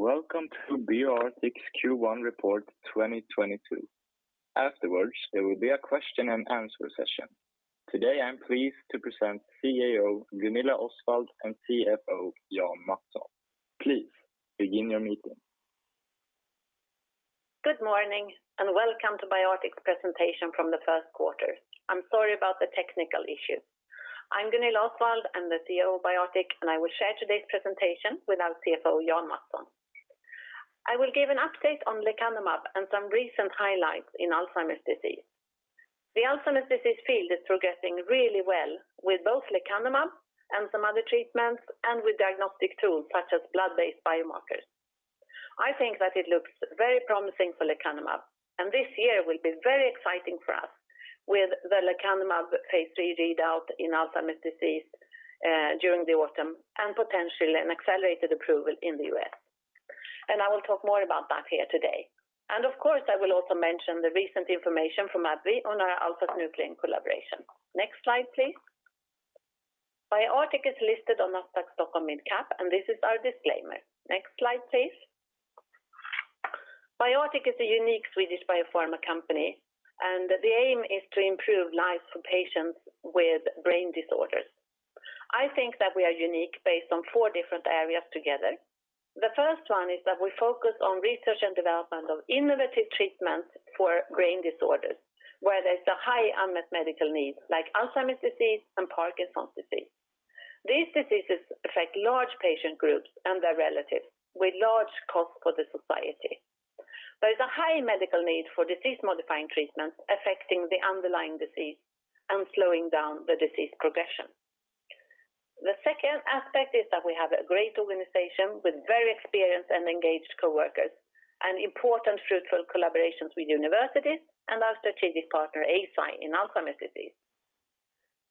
Welcome to BioArctic Q1 report 2022. Afterwards, there will be a question and answer session. Today, I'm pleased to present CEO Gunilla Osswald and CFO Jan Mattsson. Please begin your meeting. Good morning and welcome to BioArctic's presentation from the first quarter. I'm sorry about the technical issue. I'm Gunilla Osswald. I'm the CEO of BioArctic, and I will share today's presentation with our CFO, Jan Mattsson. I will give an update on lecanemab and some recent highlights in Alzheimer's disease. The Alzheimer's disease field is progressing really well with both lecanemab and some other treatments, and with diagnostic tools such as blood-based biomarkers. I think that it looks very promising for lecanemab, and this year will be very exciting for us with the lecanemab phase III readout in Alzheimer's disease, during the autumn, and potentially an accelerated approval in the U.S. I will talk more about that here today. Of course, I will also mention the recent information from AbbVie on our alpha-synuclein collaboration. Next slide, please. BioArctic is listed on Nasdaq Stockholm Mid Cap, and this is our disclaimer. Next slide, please. BioArctic is a unique Swedish biopharma company, and the aim is to improve lives for patients with brain disorders. I think that we are unique based on four different areas together. The first one is that we focus on research and development of innovative treatments for brain disorders, where there's a high unmet medical need, like Alzheimer's disease and Parkinson's disease. These diseases affect large patient groups and their relatives with large cost for the society. There is a high medical need for disease-modifying treatments affecting the underlying disease and slowing down the disease progression. The second aspect is that we have a great organization with very experienced and engaged coworkers and important fruitful collaborations with universities and our strategic partner, Eisai, in Alzheimer's disease.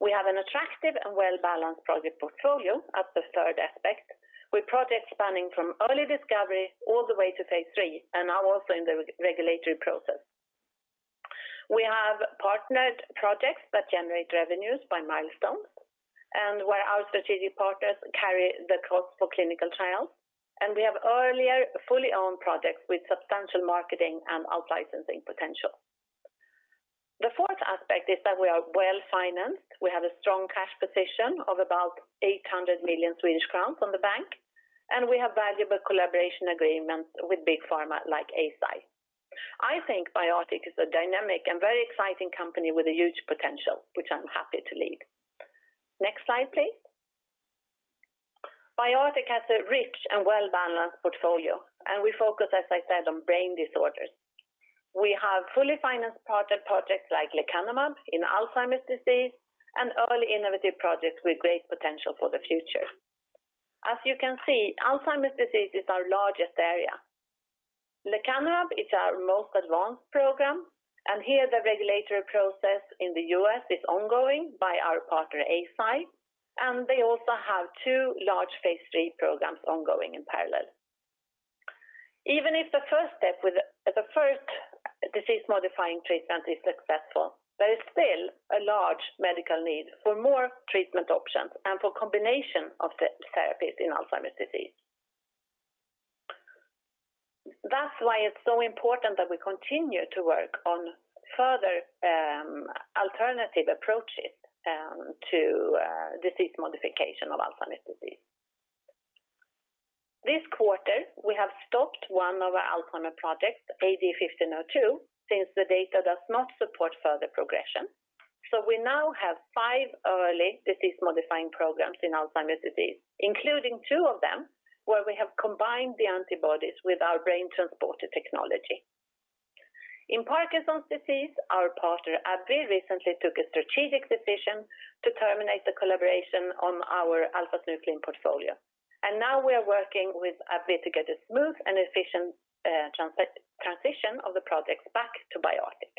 We have an attractive and well-balanced project portfolio as the third aspect, with projects spanning from early discovery all the way to phase III, and now also in the regulatory process. We have partnered projects that generate revenues by milestones and where our strategic partners carry the cost for clinical trials. We have earlier fully owned projects with substantial marketing and out-licensing potential. The fourth aspect is that we are well-financed. We have a strong cash position of about 800 million Swedish crowns in the bank, and we have valuable collaboration agreements with big pharma like Eisai. I think BioArctic is a dynamic and very exciting company with a huge potential, which I'm happy to lead. Next slide, please. BioArctic has a rich and well-balanced portfolio, and we focus, as I said, on brain disorders. We have fully financed partner projects like lecanemab in Alzheimer's disease and early innovative projects with great potential for the future. As you can see, Alzheimer's disease is our largest area. Lecanemab is our most advanced program, and here the regulatory process in the U.S. is ongoing by our partner, Eisai, and they also have two large phase III programs ongoing in parallel. Even if the first step with the first disease-modifying treatment is successful, there is still a large medical need for more treatment options and for combination of the therapies in Alzheimer's disease. That's why it's so important that we continue to work on further alternative approaches to disease modification of Alzheimer's disease. This quarter, we have stopped one of our Alzheimer's projects, AD1502, since the data does not support further progression. We now have five early disease-modifying programs in Alzheimer's disease, including two of them where we have combined the antibodies with our brain transporter technology. In Parkinson's disease, our partner, AbbVie, recently took a strategic decision to terminate the collaboration on our alpha-synuclein portfolio. Now we are working with AbbVie to get a smooth and efficient transition of the projects back to BioArctic.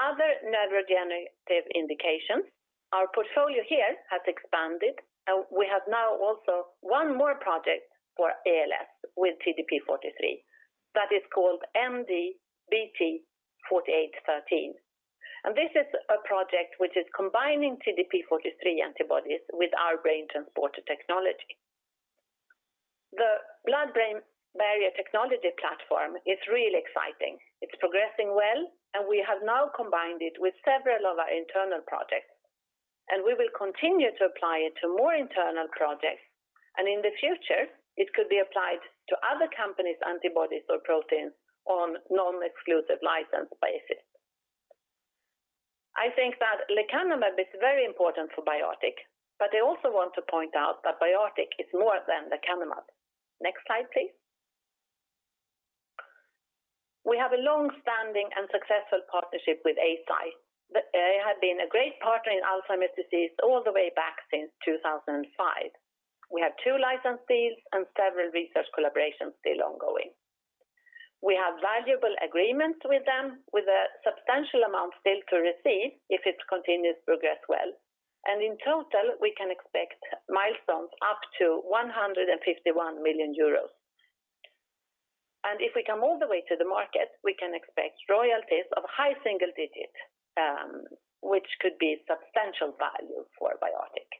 Other neurodegenerative indications. Our portfolio here has expanded, and we have now also one more project for ALS with TDP-43. That is called MD BT-4813. This is a project which is combining TDP-43 antibodies with our brain transporter technology. The blood-brain barrier technology platform is really exciting. It's progressing well, and we have now combined it with several of our internal projects, and we will continue to apply it to more internal projects. In the future, it could be applied to other companies' antibodies or proteins on non-exclusive license basis. I think that lecanemab is very important for BioArctic, but I also want to point out that BioArctic is more than lecanemab. Next slide, please. We have a long-standing and successful partnership with Eisai. They have been a great partner in Alzheimer's disease all the way back since 2005. We have two license deals and several research collaborations still ongoing. We have valuable agreements with them with a substantial amount still to receive if it continues to progress well. In total, we can expect milestones up to 151 million euros. If we come all the way to the market, we can expect royalties of high single digit, which could be substantial value for BioArctic's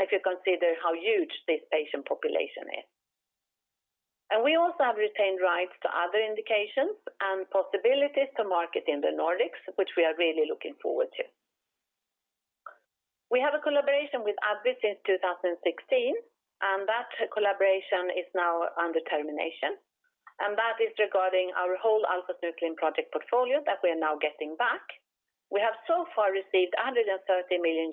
if you consider how huge this patient population is. We also have retained rights to other indications and possibilities to market in the Nordics, which we are really looking forward to. We have a collaboration with AbbVie since 2016, and that collaboration is now under termination. That is regarding our whole alpha-synuclein project portfolio that we are now getting back. We have so far received $130 million.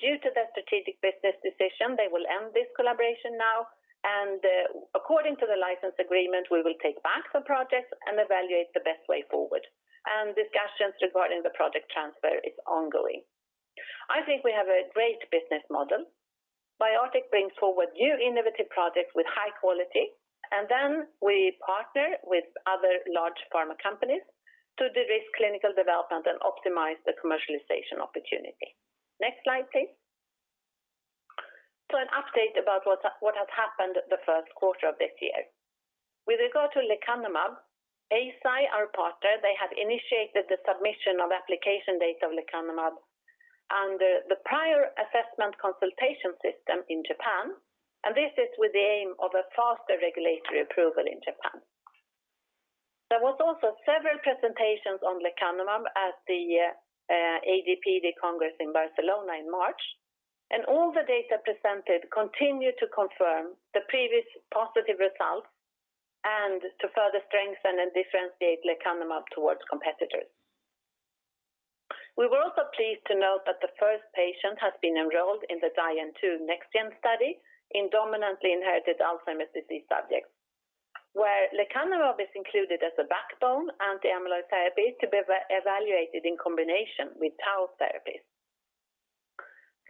Due to their strategic business decision, they will end this collaboration now. According to the license agreement, we will take back the projects and evaluate the best way forward. Discussions regarding the project transfer is ongoing. I think we have a great business model. BioArctic brings forward new innovative projects with high quality, and then we partner with other large pharma companies to de-risk clinical development and optimize the commercialization opportunity. Next slide, please. An update about what has happened the first quarter of this year. With regard to lecanemab, Eisai, our partner, they have initiated the submission of application data of lecanemab under the Prior Assessment Consultation system in Japan, and this is with the aim of a faster regulatory approval in Japan. There was also several presentations on lecanemab at the ADPD congress in Barcelona in March, and all the data presented continued to confirm the previous positive results and to further strengthen and differentiate lecanemab towards competitors. We were also pleased to note that the first patient has been enrolled in the DIAN-TU NexGen Study in dominantly inherited Alzheimer's disease subjects, where lecanemab is included as a backbone anti-amyloid therapy to be evaluated in combination with tau therapies.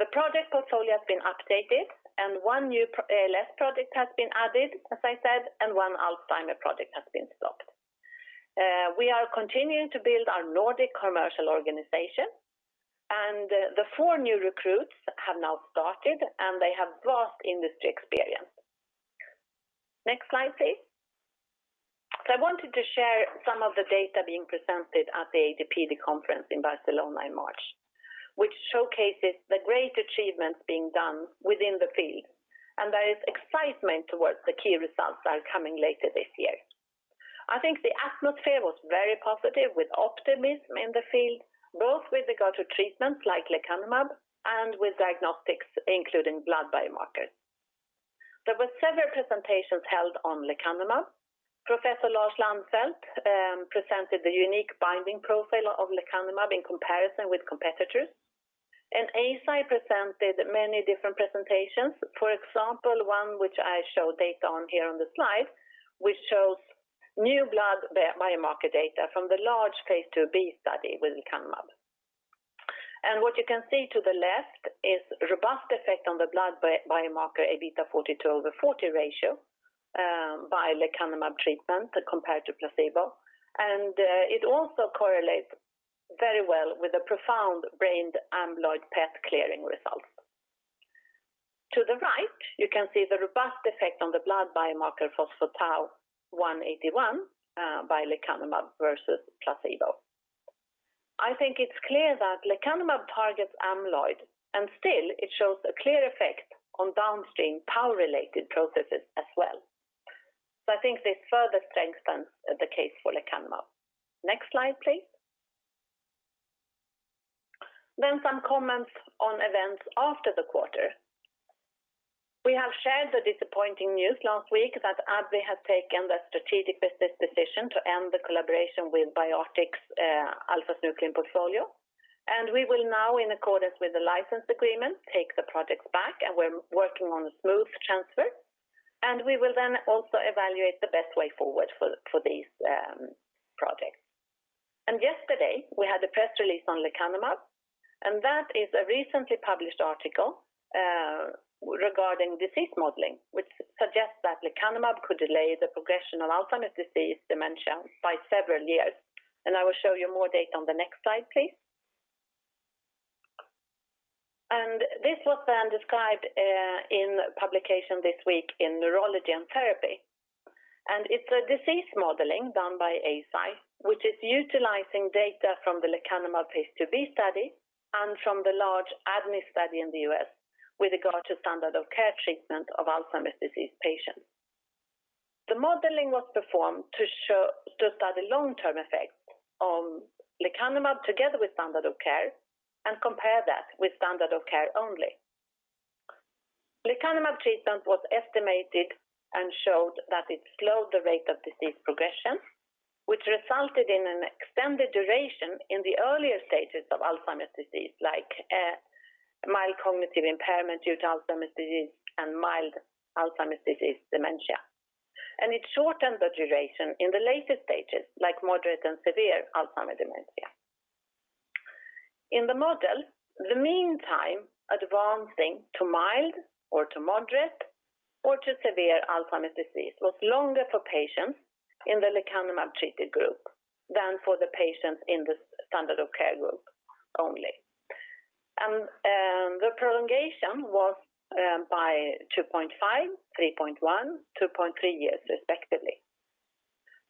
The project portfolio has been updated and one new project has been added, as I said, and one Alzheimer's project has been stopped. We are continuing to build our Nordic commercial organization, and the four new recruits have now started, and they have vast industry experience. Next slide, please. I wanted to share some of the data being presented at the ADPD conference in Barcelona in March, which showcases the great achievements being done within the field. There is excitement towards the key results that are coming later this year. I think the atmosphere was very positive with optimism in the field, both with regard to treatments like lecanemab and with diagnostics, including blood biomarkers. There were several presentations held on lecanemab. Professor Lars Lannfelt presented the unique binding profile of lecanemab in comparison with competitors. Eisai presented many different presentations. For example, one which I show data on here on the slide, which shows new blood biomarker data from the large phase II-B study with lecanemab. What you can see to the left is robust effect on the blood biomarker Aβ 42/40 ratio by lecanemab treatment compared to placebo. It also correlates very well with the profound brain amyloid PET clearing results. To the right, you can see the robust effect on the blood biomarker phospho-tau 181 by lecanemab versus placebo. I think it's clear that lecanemab targets amyloid, and still it shows a clear effect on downstream tau-related processes as well. I think this further strengthens the case for lecanemab. Next slide, please. Some comments on events after the quarter. We have shared the disappointing news last week that AbbVie has taken the strategic business decision to end the collaboration with BioArctic's alpha-synuclein portfolio. We will now, in accordance with the license agreement, take the projects back and we're working on a smooth transfer. We will then also evaluate the best way forward for these projects. Yesterday, we had a press release on lecanemab, and that is a recently published article regarding disease modeling, which suggests that lecanemab could delay the progression of Alzheimer's disease dementia by several years. I will show you more data on the next slide, please. This was then described in publication this week in Neurology and Therapy. It's a disease modeling done by Eisai, which is utilizing data from the lecanemab phase II-B study and from the large ADNI Study in the U.S. with regard to standard of care treatment of Alzheimer's disease patients. The modeling was performed to study long-term effects of lecanemab together with standard of care and compare that with standard of care only. Lecanemab treatment was estimated and showed that it slowed the rate of disease progression, which resulted in an extended duration in the earlier stages of Alzheimer's disease, like mild cognitive impairment due to Alzheimer's disease and mild Alzheimer's disease dementia. It shortened the duration in the later stages, like moderate and severe Alzheimer dementia. In the model, the mean time advancing to mild or to moderate or to severe Alzheimer's disease was longer for patients in the lecanemab treated group than for the patients in the standard of care group only. The prolongation was by 2.5, 3.1, 2.3 years respectively.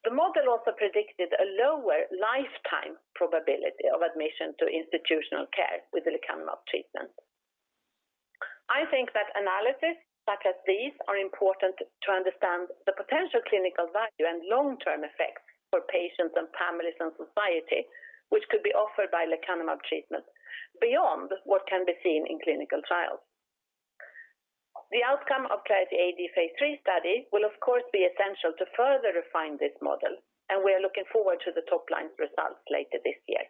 The model also predicted a lower lifetime probability of admission to institutional care with lecanemab treatment. I think that analysis such as these are important to understand the potential clinical value and long-term effects for patients and families and society, which could be offered by lecanemab treatment beyond what can be seen in clinical trials. The outcome of Clarity AD phase III study will of course be essential to further refine this model, and we are looking forward to the top line results later this year.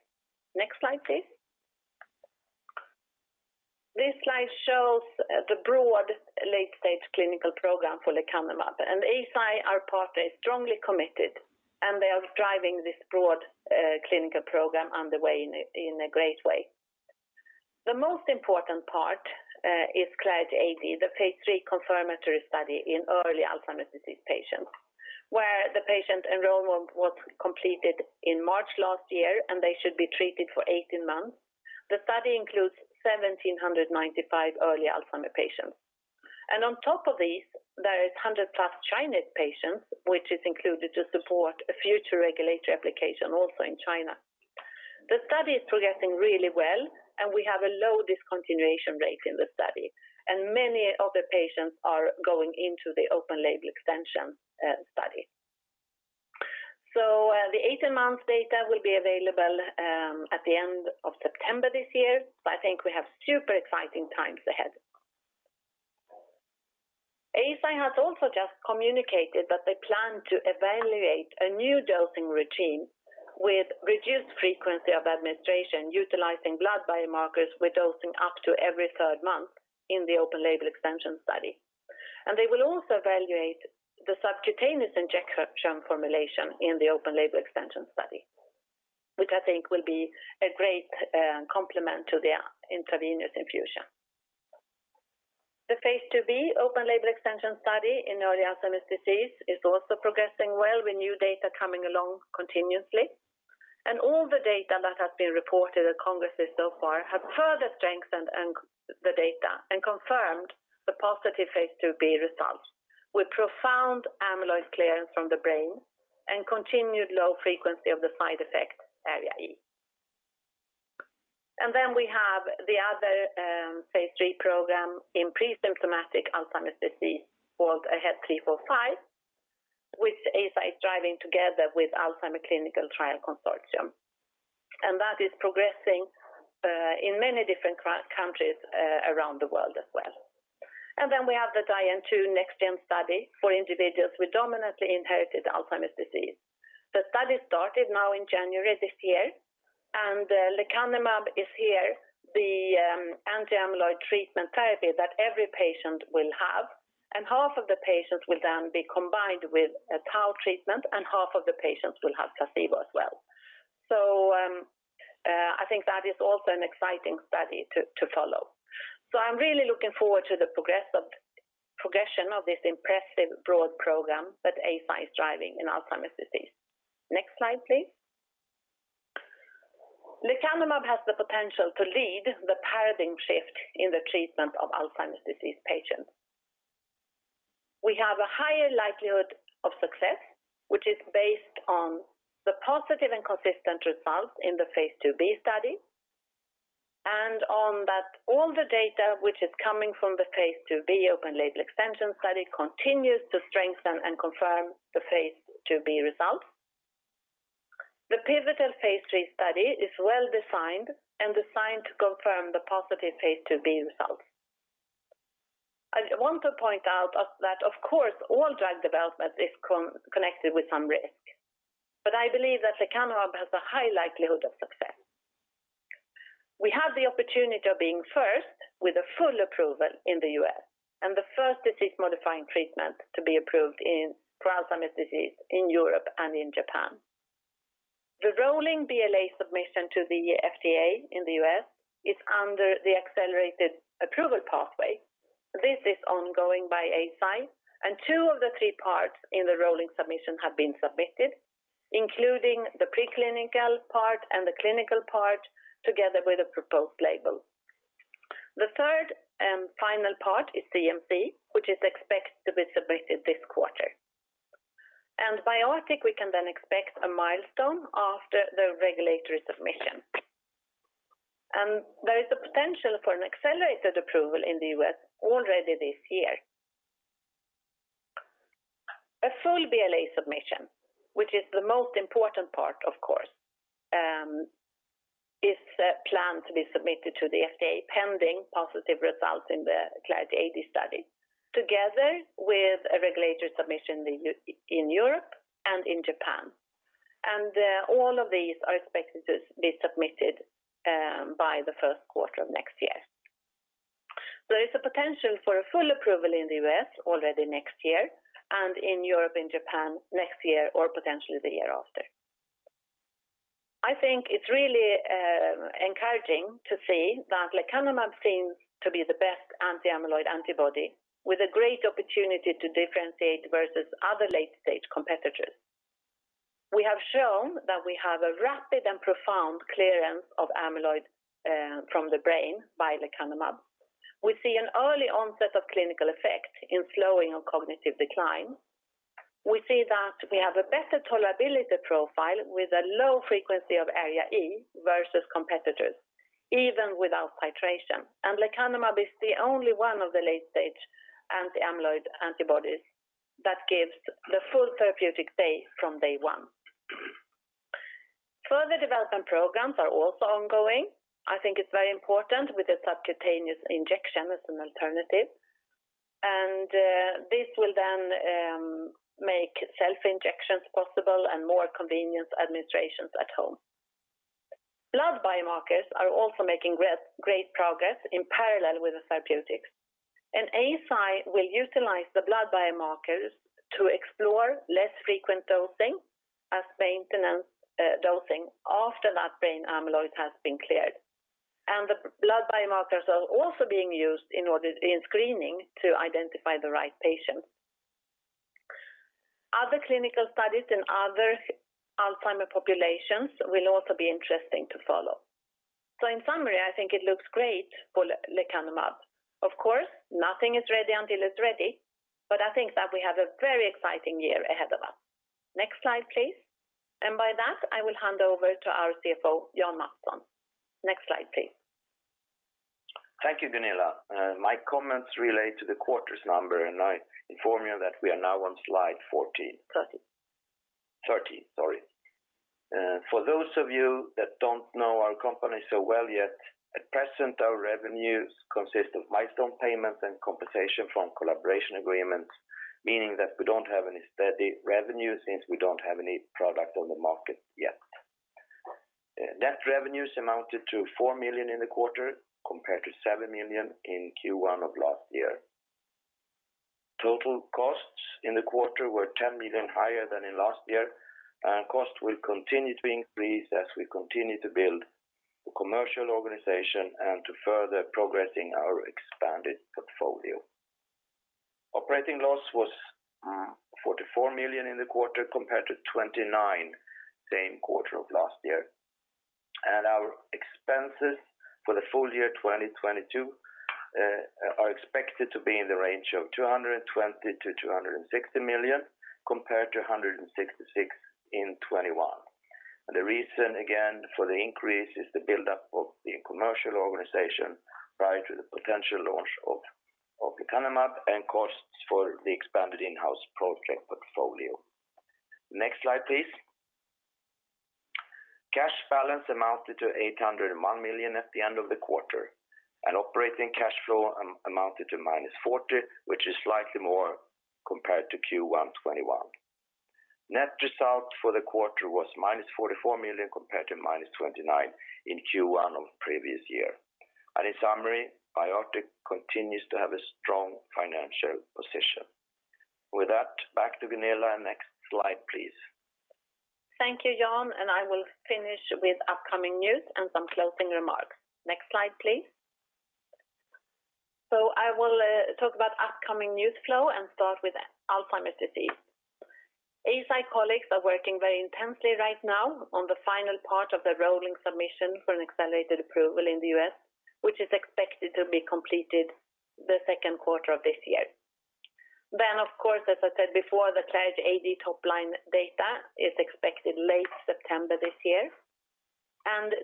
Next slide, please. This slide shows the broad late-stage clinical program for lecanemab. Eisai, our partner, is strongly committed and they are driving this broad clinical program underway in a great way. The most important part is Clarity AD, the phase III confirmatory study in early Alzheimer's disease patients, where the patient enrollment was completed in March last year, and they should be treated for 18 months. The study includes 1,795 early Alzheimer's disease patients. On top of this, there is 100+ Chinese patients, which is included to support a future regulatory application also in China. The study is progressing really well, and we have a low discontinuation rate in the study, and many of the patients are going into the open label extension study. The 18 months data will be available at the end of September this year. I think we have super exciting times ahead. Eisai has also just communicated that they plan to evaluate a new dosing regime with reduced frequency of administration utilizing blood biomarkers with dosing up to every third month in the open label extension study. They will also evaluate the subcutaneous injection formulation in the open label extension study, which I think will be a great complement to their intravenous infusion. The phase II-B open label extension study in early Alzheimer's disease is also progressing well with new data coming along continuously. All the data that has been reported at congresses so far have further strengthened the data and confirmed the positive phase II-B results. With profound amyloid clearance from the brain and continued low frequency of the side effect ARIA-E. Then we have the other phase III program in pre-symptomatic Alzheimer's disease called AHEAD 3-45, which Eisai is driving together with Alzheimer's Clinical Trials Consortium. That is progressing in many different countries around the world as well. Then we have the DIAN-TU NexGen study for individuals with dominantly inherited Alzheimer's disease. The study started now in January this year, and lecanemab is here the anti-amyloid treatment therapy that every patient will have. Half of the patients will then be combined with a tau treatment, and half of the patients will have placebo as well. I think that is also an exciting study to follow. I'm really looking forward to the progression of this impressive broad program that Eisai is driving in Alzheimer's disease. Next slide, please. Lecanemab has the potential to lead the paradigm shift in the treatment of Alzheimer's disease patients. We have a higher likelihood of success, which is based on the positive and consistent results in the phase II-B study. On top of that, all the data which is coming from the phase II-B open label extension study continues to strengthen and confirm the phase II-B results. The pivotal phase III study is well-defined and designed to confirm the positive phase II-B results. I want to point out that, of course, all drug development is connected with some risk. I believe that lecanemab has a high likelihood of success. We have the opportunity of being first with a full approval in the U.S., and the first disease-modifying treatment to be approved in pre-Alzheimer's disease in Europe and in Japan. The rolling BLA submission to the FDA in the U.S. is under the accelerated approval pathway. This is ongoing by Eisai, and two of the three parts in the rolling submission have been submitted, including the preclinical part and the clinical part together with a proposed label. The third and final part is CMC, which is expected to be submitted this quarter. BioArctic we can then expect a milestone after the regulatory submission. There is a potential for an accelerated approval in the U.S. already this year. A full BLA submission, which is the most important part, of course, is planned to be submitted to the FDA pending positive results in the Clarity AD study, together with a regulatory submission in Europe and in Japan. All of these are expected to be submitted by the first quarter of next year. There is a potential for a full approval in the U.S. already next year and in Europe and Japan next year or potentially the year after. I think it's really encouraging to see that lecanemab seems to be the best anti-amyloid antibody with a great opportunity to differentiate versus other late-stage competitors. We have shown that we have a rapid and profound clearance of amyloid from the brain by lecanemab. We see an early onset of clinical effect in slowing of cognitive decline. We see that we have a better tolerability profile with a low frequency of ARIA-E versus competitors, even without titration. Lecanemab is the only one of the late-stage anti-amyloid antibodies that gives the full therapeutic day from day one. Further development programs are also ongoing. I think it's very important with a subcutaneous injection as an alternative. This will then make self-injections possible and more convenient administrations at home. Blood biomarkers are also making great progress in parallel with the therapeutics. Eisai will utilize the blood biomarkers to explore less frequent dosing as maintenance dosing after that brain amyloid has been cleared. The blood biomarkers are also being used in order to screening to identify the right patients. Other clinical studies in other Alzheimer's populations will also be interesting to follow. In summary, I think it looks great for lecanemab. Of course, nothing is ready until it's ready, but I think that we have a very exciting year ahead of us. Next slide, please. By that, I will hand over to our CFO, Jan Mattsson. Next slide, please. Thank you, Gunilla. My comments relate to the quarter's number, and I inform you that we are now on slide 14. 30. 30, sorry. For those of you that don't know our company so well yet, at present our revenues consist of milestone payments and compensation from collaboration agreements, meaning that we don't have any steady revenue since we don't have any product on the market yet. Net revenues amounted to 4 million in the quarter compared to 7 million in Q1 of last year. Total costs in the quarter were 10 million higher than in last year, and costs will continue to increase as we continue to build the commercial organization and to further progressing our expanded portfolio. Operating loss was 44 million in the quarter compared to 29 million same quarter of last year. Our expenses for the full year 2022 are expected to be in the range of 220 million-260 million compared to 166 million in 2021. The reason again for the increase is the buildup of the commercial organization prior to the potential launch of lecanemab and costs for the expanded in-house project portfolio. Next slide, please. Cash balance amounted to 801 million at the end of the quarter, and operating cash flow amounted to -40 million, which is slightly more compared to Q1 2021. Net result for the quarter was -44 million compared to -29 million in Q1 of previous year. In summary, BioArctic continues to have a strong financial position. With that, back to Gunilla. Next slide, please. Thank you, Jan, and I will finish with upcoming news and some closing remarks. Next slide, please. I will talk about upcoming news flow and start with Alzheimer's disease. Eisai colleagues are working very intensely right now on the final part of the rolling submission for an accelerated approval in the U.S., which is expected to be completed the second quarter of this year. Then of course, as I said before, the Clarity AD top-line data is expected late September this year.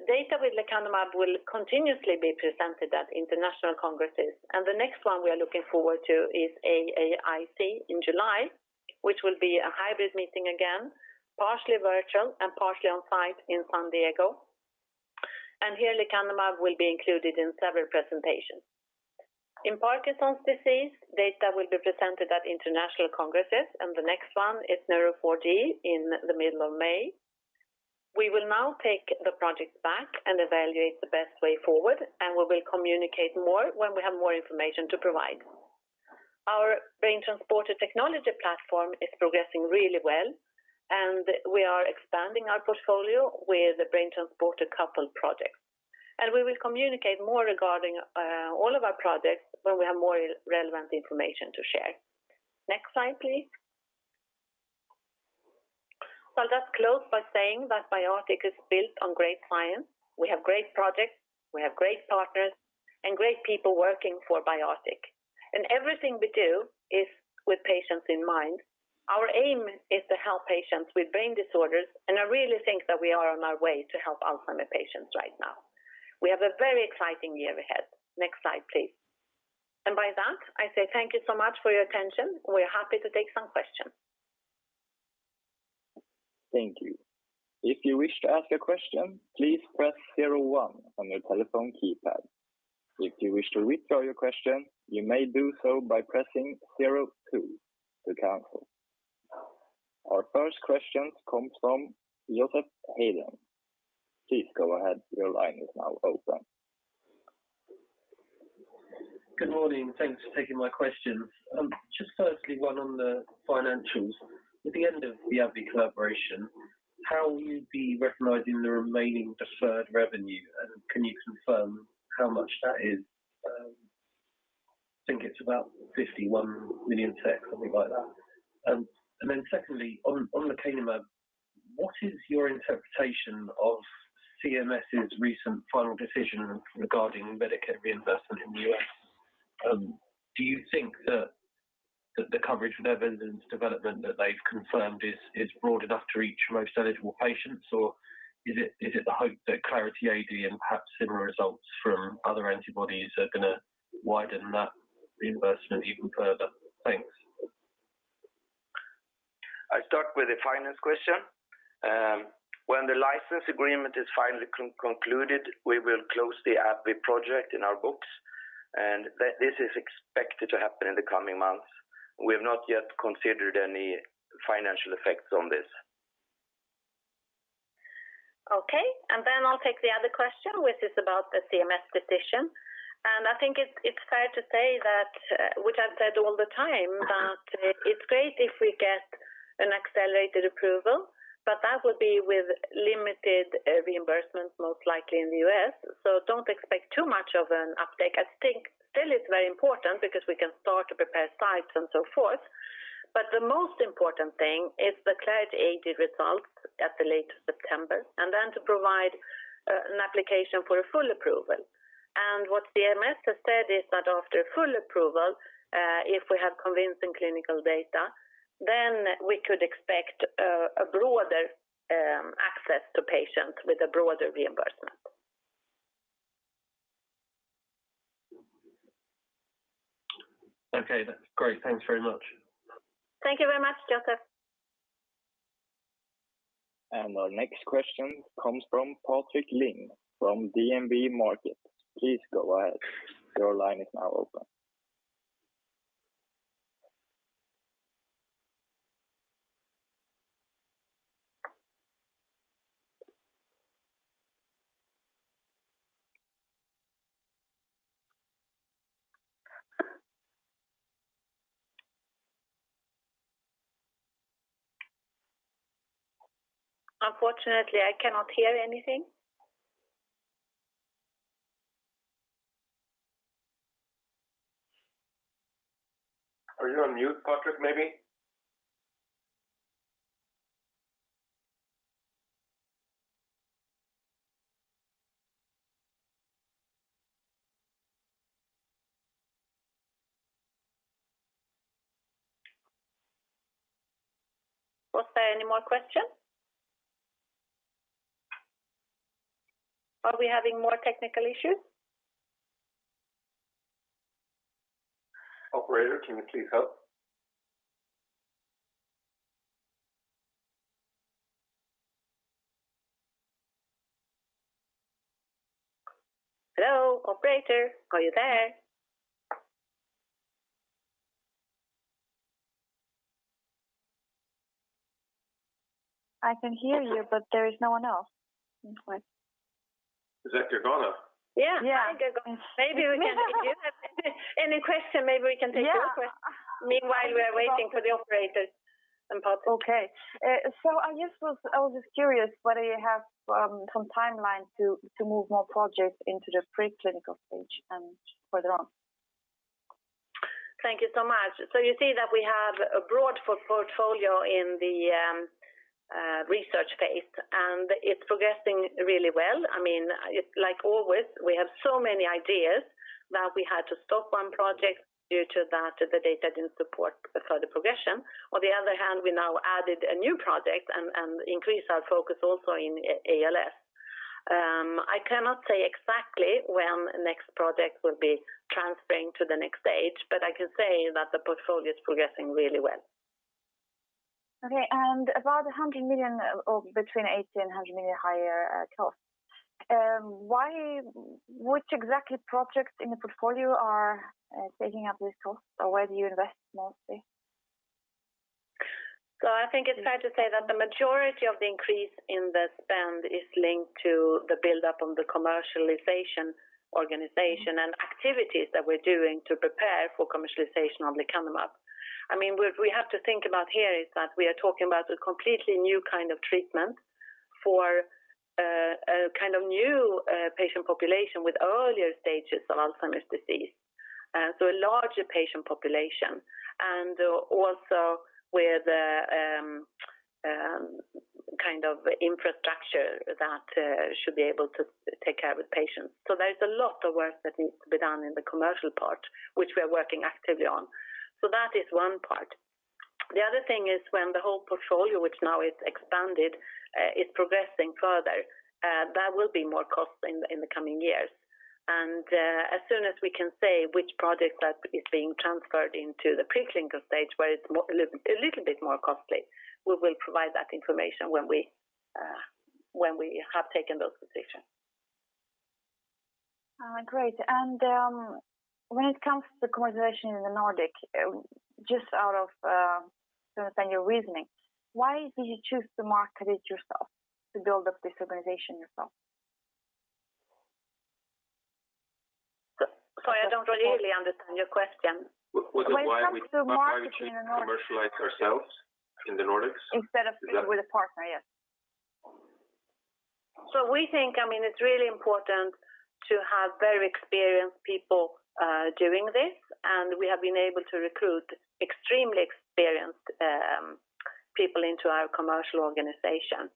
Data with lecanemab will continuously be presented at international congresses. The next one we are looking forward to is AAIC in July, which will be a hybrid meeting again, partially virtual and partially on-site in San Diego. Here, lecanemab will be included in several presentations. In Parkinson's disease, data will be presented at international congresses, and the next one is AD/PD in the middle of May. We will now take the project back and evaluate the best way forward, and we will communicate more when we have more information to provide. Our BrainTransporter Technology Platform is progressing really well, and we are expanding our portfolio with the BrainTransporter-coupled projects. We will communicate more regarding all of our projects when we have more relevant information to share. Next slide, please. I'll just close by saying that BioArctic is built on great science. We have great projects, we have great partners, and great people working for BioArctic. Everything we do is with patients in mind. Our aim is to help patients with brain disorders, and I really think that we are on our way to help Alzheimer's patients right now. We have a very exciting year ahead. Next slide, please. By that, I say thank you so much for your attention. We are happy to take some questions. Thank you. If you wish to ask a question, please press zero one on your telephone keypad. If you wish to withdraw your question, you may do so by pressing zero two to cancel. Our first question comes from Joseph Hedden. Please go ahead. Your line is now open. Good morning. Thanks for taking my questions. Just firstly, one on the financials. At the end of the AbbVie collaboration, how will you be recognizing the remaining deferred revenue? And can you confirm how much that is? I think it's about 51 million, something like that. And then secondly, on lecanemab, what is your interpretation of CMS's recent final decision regarding Medicare reimbursement in the U.S.? Do you think that the coverage for their evidence development that they've confirmed is broad enough to reach most eligible patients? Or is it the hope that Clarity AD and perhaps similar results from other antibodies are gonna widen that reimbursement even further? Thanks. I'll start with the finance question. When the license agreement is finally concluded, we will close the AbbVie project in our books, and this is expected to happen in the coming months. We have not yet considered any financial effects on this. Okay. I'll take the other question, which is about the CMS decision. I think it's fair to say that, which I've said all the time, that it's great if we get an accelerated approval, but that will be with limited reimbursement, most likely in the U.S. Don't expect too much of an uptake. I think still it's very important because we can start to prepare sites and so forth. The most important thing is the Clarity AD results at the late September, and then to provide an application for a full approval. What CMS has said is that after full approval, if we have convincing clinical data, then we could expect a broader access to patients with a broader reimbursement. Okay, that's great. Thanks very much. Thank you very much, Joseph. Our next question comes from Patrik Ling from DNB Markets. Please go ahead. Your line is now open. Unfortunately, I cannot hear anything. Are you on mute, Patrik, maybe? Was there any more questions? Are we having more technical issues? Operator, can you please help? Hello, operator. Are you there? I can hear you, but there is no one else it seems like. Is that Gögona? Yeah. Yeah. Hi, Gögona. Maybe we can take you. Any question? Maybe we can take your question. Yeah. Meanwhile, we are waiting for the operator and Patrik. I was just curious whether you have some timelines to move more projects into the preclinical stage and further on. Thank you so much. You see that we have a broad portfolio in the research phase, and it's progressing really well. I mean, it's like always, we have so many ideas that we had to stop one project due to that the data didn't support the further progression. On the other hand, we now added a new project and increased our focus also in ALS. I cannot say exactly when next project will be transferring to the next stage, but I can say that the portfolio is progressing really well. Okay. About 100 million or between 80 million and 100 million higher costs. Which exact projects in the portfolio are taking up these costs? Or where do you invest mostly? I think it's fair to say that the majority of the increase in the spend is linked to the build-up on the commercialization organization and activities that we're doing to prepare for commercialization on lecanemab. I mean, what we have to think about here is that we are talking about a completely new kind of treatment for a kind of new patient population with earlier stages of Alzheimer's disease. A larger patient population and also with a kind of infrastructure that should be able to take care of the patients. There's a lot of work that needs to be done in the commercial part, which we are working actively on. That is one part. The other thing is when the whole portfolio, which now is expanded, is progressing further, there will be more costs in the coming years. As soon as we can say which project that is being transferred into the preclinical stage where it's a little bit more costly, we will provide that information when we have taken those decisions. Great. When it comes to commercialization in the Nordic, to understand your reasoning, why did you choose to market it yourself, to build up this organization yourself? Yeah. Sorry, I don't really understand your question. Was it why we. When it comes to marketing in the Nordics. Why we choose to commercialize ourselves in the Nordics? Instead of with a partner, yes. We think, I mean, it's really important to have very experienced people doing this, and we have been able to recruit extremely experienced people into our commercial organization.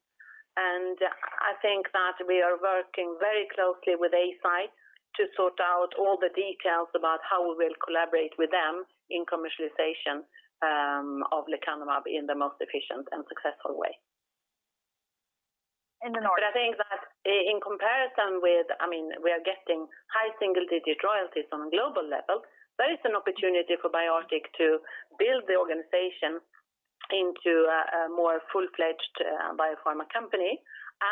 I think that we are working very closely with Eisai to sort out all the details about how we will collaborate with them in commercialization of lecanemab in the most efficient and successful way. In the Nordics. I think that in comparison with I mean, we are getting high single-digit royalties on a global level. There is an opportunity for BioArctic to build the organization into a more full-fledged biopharma company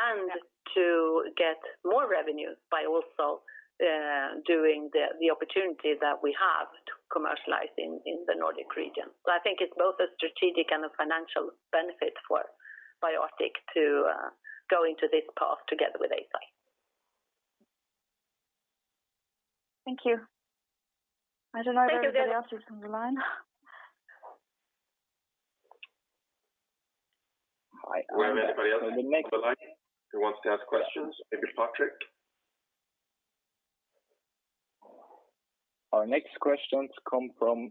and to get more revenues by also doing the opportunity that we have to commercialize in the Nordic region. I think it's both a strategic and a financial benefit for BioArctic to go into this path together with Eisai. Thank you. I don't know whether anybody else is on the line. We have anybody else on the line who wants to ask questions? Maybe Patrik. Our next questions come from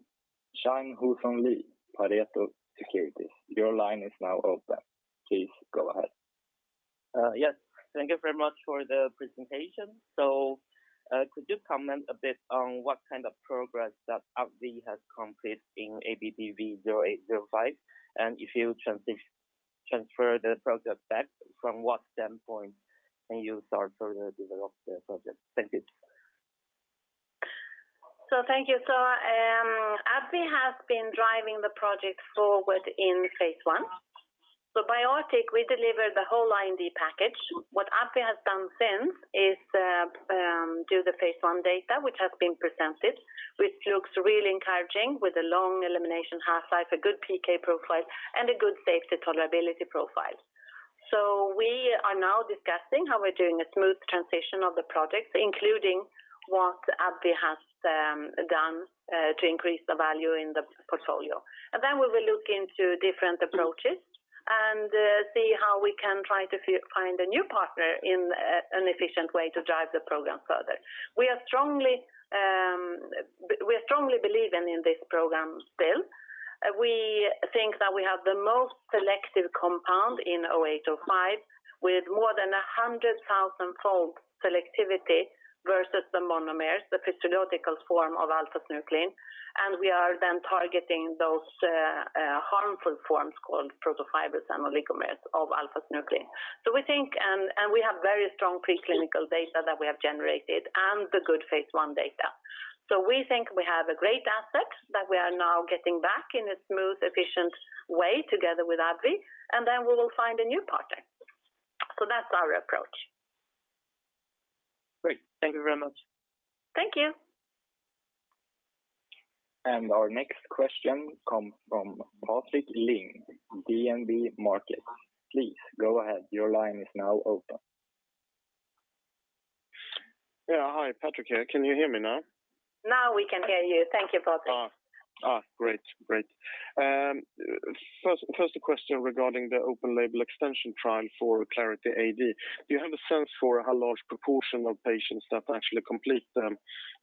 Chien-Hsun Lee, Pareto Securities. Your line is now open. Please go ahead. Yes. Thank you very much for the presentation. Could you comment a bit on what kind of progress that AbbVie has completed in ABBV-0805, and if you transfer the project back, from what standpoint can you start to develop the project? Thank you. Thank you. AbbVie has been driving the project forward in phase one. BioArctic, we delivered the whole IND package. What AbbVie has done since is done the phase one data, which has been presented, which looks really encouraging with a long elimination half-life, a good PK profile, and a good safety tolerability profile. We are now discussing how we're doing a smooth transition of the project, including what AbbVie has done to increase the value in the portfolio. Then we will look into different approaches and see how we can try to find a new partner in an efficient way to drive the program further. We are strongly believing in this program still. We think that we have the most selective compound in ABBV-0805 with more than 100,000-fold selectivity versus the monomers, the physiological form of alpha-synuclein, and we are then targeting those harmful forms called protofibrils and oligomers of alpha-synuclein. We have very strong preclinical data that we have generated and the good phase I data. We think we have a great asset that we are now getting back in a smooth, efficient way together with AbbVie, and then we will find a new partner. That's our approach. Great. Thank you very much. Thank you. Our next question come from Patrik Ling, DNB Markets. Please go ahead. Your line is now open. Yeah. Hi. Patrik here. Can you hear me now? Now we can hear you. Thank you, Patrik. Great. First a question regarding the open label extension trial for Clarity AD. Do you have a sense for how large proportion of patients that actually complete the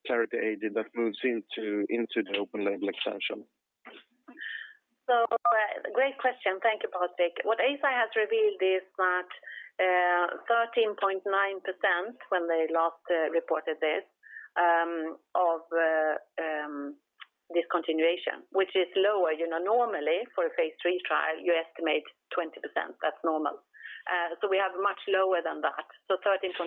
Clarity AD that moves into the open label extension? Great question. Thank you, Patrik. What Eisai has revealed is that, 13.9%, when they last reported this, of discontinuation, which is lower. You know, normally for a phase III trial, you estimate 20%. That's normal. We have much lower than that. 13.9%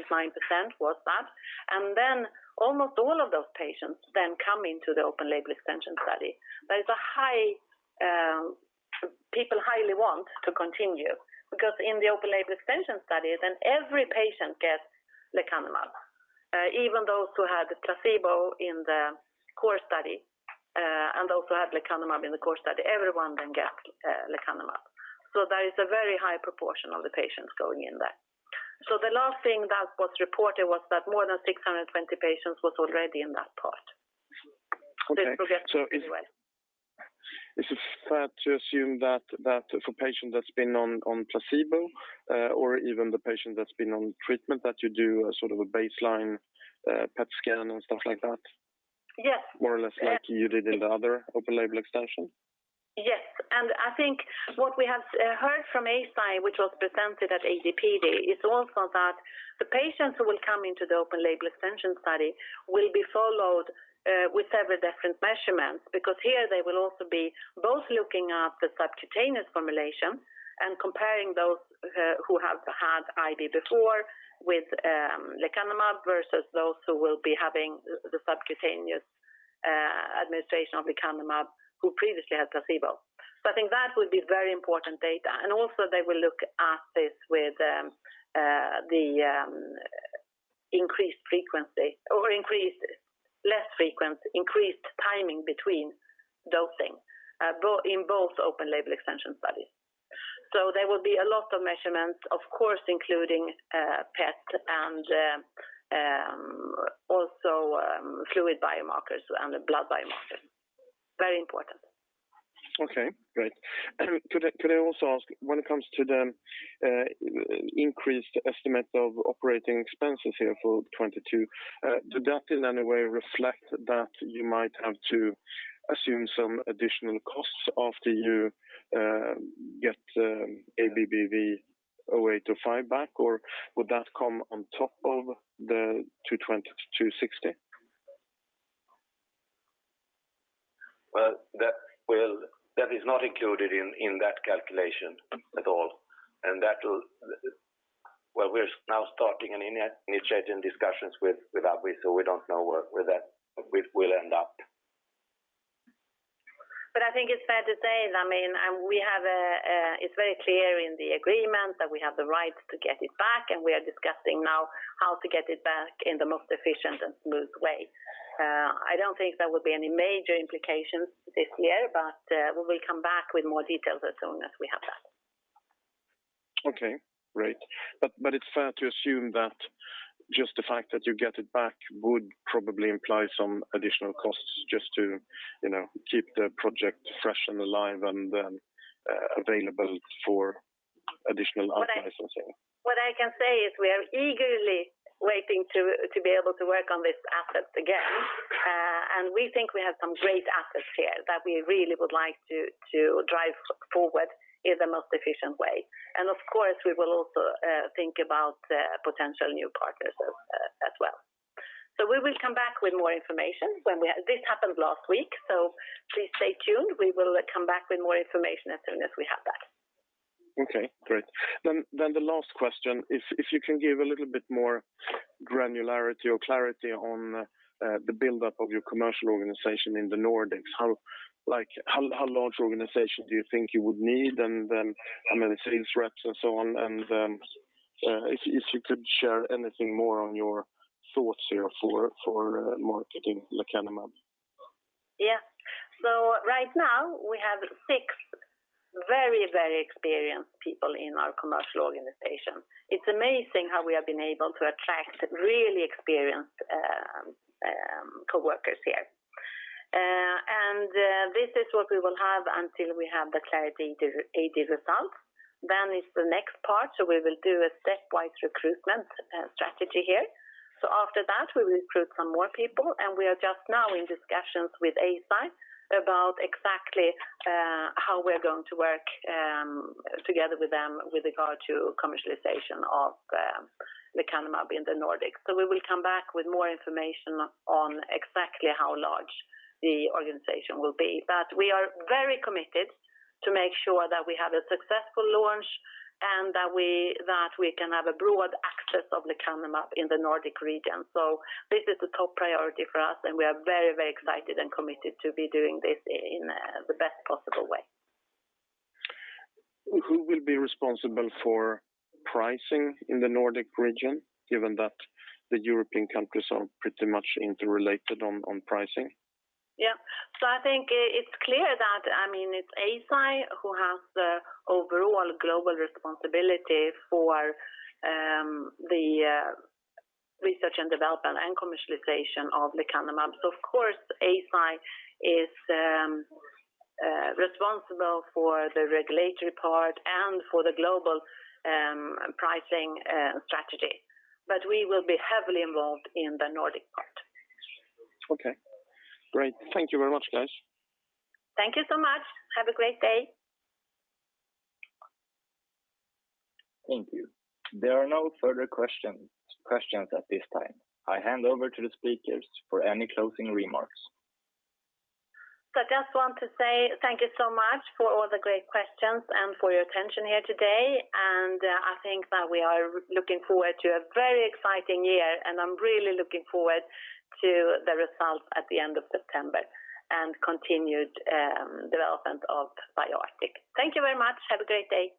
was that. And then almost all of those patients come into the open label extension study. People highly want to continue because in the open label extension study, then every patient gets lecanemab, even those who had placebo in the core study, and also had lecanemab in the core study. Everyone then gets lecanemab. There is a very high proportion of the patients going in there. The last thing that was reported was that more than 620 patients was already in that part. Okay. This progress is going well. Is it fair to assume that for patient that's been on placebo, or even the patient that's been on treatment that you do a sort of a baseline PET scan and stuff like that? Yes. More or less like you did in the other open label extension? Yes. I think what we have heard from Eisai, which was presented at ADPD, is also that the patients who will come into the open label extension study will be followed with several different measurements because here they will also be both looking at the subcutaneous formulation and comparing those who have had IV before with lecanemab versus those who will be having the subcutaneous administration of lecanemab who previously had placebo. I think that will be very important data. Also they will look at this with the increased frequency or less frequency, increased timing between dosing in both open label extension studies. There will be a lot of measurements, of course, including PET and also fluid biomarkers and blood biomarkers. Very important. Okay, great. Could I also ask when it comes to the increased estimate of operating expenses here for 2022, does that in any way reflect that you might have to assume some additional costs after you get ABBV-0805 back, or would that come on top of the 220 million-260 million? Well, that is not included in that calculation at all. Well, we're now starting and initiating discussions with AbbVie, so we don't know where that will end up. I think it's fair to say, I mean, it's very clear in the agreement that we have the right to get it back, and we are discussing now how to get it back in the most efficient and smooth way. I don't think there will be any major implications this year, but we will come back with more details as soon as we have that. Okay, great. It's fair to assume that just the fact that you get it back would probably imply some additional costs just to, you know, keep the project fresh and alive and available for additional out-licensing. What I can say is we are eagerly waiting to be able to work on this asset again. We think we have some great assets here that we really would like to drive forward in the most efficient way. Of course, we will also think about potential new partners as well. We will come back with more information when we are. This happened last week, please stay tuned. We will come back with more information as soon as we have that. Okay, great. The last question. If you can give a little bit more granularity or clarity on the buildup of your commercial organization in the Nordics. How, like, how large organization do you think you would need and how many sales reps and so on? If you could share anything more on your thoughts here for marketing lecanemab. Yeah. Right now we have six very, very experienced people in our commercial organization. It's amazing how we have been able to attract really experienced coworkers here. This is what we will have until we have the Clarity AD results. It's the next part. We will do a stepwise recruitment strategy here. After that, we will recruit some more people, and we are just now in discussions with Eisai about exactly how we're going to work together with them with regard to commercialization of lecanemab in the Nordics. We will come back with more information on exactly how large the organization will be. We are very committed to make sure that we have a successful launch and that we can have a broad access of lecanemab in the Nordic region. This is the top priority for us, and we are very, very excited and committed to be doing this in the best possible way. Who will be responsible for pricing in the Nordic region, given that the European countries are pretty much interrelated on pricing? Yeah. I think it's clear that, I mean, it's Eisai who has the overall global responsibility for the research and development and commercialization of lecanemab. Of course, Eisai is responsible for the regulatory part and for the global pricing strategy. We will be heavily involved in the Nordic part. Okay, great. Thank you very much, guys. Thank you so much. Have a great day. Thank you. There are no further questions at this time. I hand over to the speakers for any closing remarks. I just want to say thank you so much for all the great questions and for your attention here today. I think that we are looking forward to a very exciting year, and I'm really looking forward to the results at the end of September and continued development of BioArctic. Thank you very much. Have a great day.